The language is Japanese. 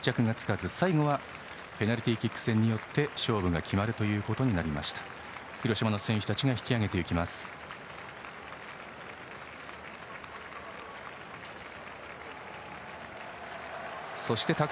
最後はペナルティーキック戦によって勝負が決まるということになりました。